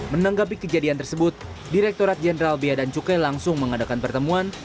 menanggapi kejadian tersebut direkturat jenderal bia dan cukai langsung mengadakan pertemuan